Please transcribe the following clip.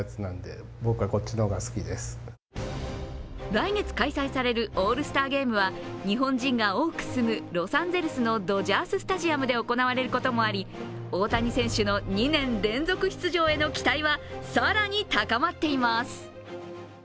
来月開催されるオールスターゲームは日本人が多く住むロサンゼルスのドジャースタジアムで行われることもあり、大谷選手の２年連続出場への期待は更に高まっています。